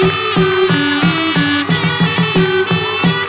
อ้าวรับไปเลยนะครับ